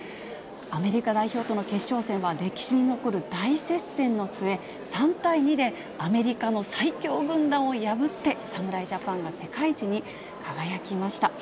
アメリカ代表との決勝戦は、歴史に残る大接戦の末、３対２で、アメリカの最強軍団を破って、侍ジャパンが世界一に輝きました。